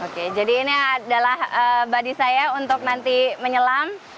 oke jadi ini adalah body saya untuk nanti menyelam